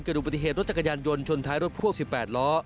เกิดอยู่ประเทศรถจักรยานยนต์ชนท้ายรถพวก๑๘ล้อ